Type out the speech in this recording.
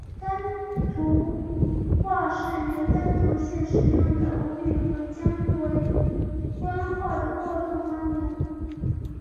丹徒话是原丹徒县使用的吴语和江淮官话的过渡方言。